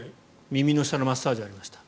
耳の下のマッサージやりました。